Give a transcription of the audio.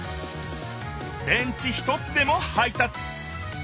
電池一つでも配達。